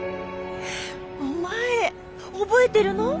お前覚えてるの？